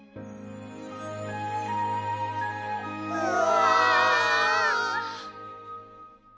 うわ！